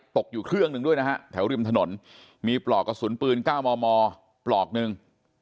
ตกอยู่เครื่องหนึ่งด้วยนะฮะแถวริมถนนมีปลอกกระสุนปืน๙มมปลอกหนึ่ง